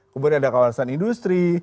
kemudian ada kawasan industri